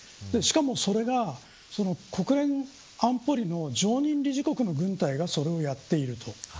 しかも、それが国連安保理の常任理事国の軍隊がそれをやっていると。